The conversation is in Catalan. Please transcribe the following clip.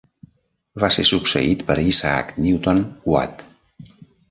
Va ser succeït per Isaac Newton Watt.